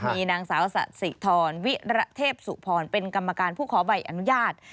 มีนางสาวสะสิทรวิระเทพสุพรเป็นกรรมการผู้ขอใบอนุญาต